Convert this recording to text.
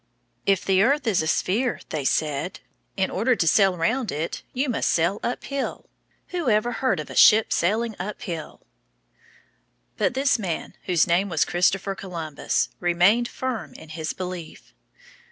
"If the earth is a sphere," they said, "in order to sail round it you must sail uphill! Who ever heard of a ship sailing uphill?" But this man, whose name was Christopher Columbus, remained firm in his belief.